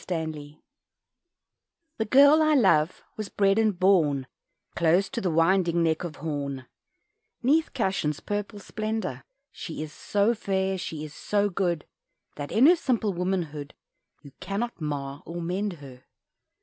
_ The girl I love was bred and born Close to the "winding" neck of Horn, 'Neath Cashan's purple splendour. She is so fair, she is so good, That, in her simple womanhood, You cannot mar or mend her.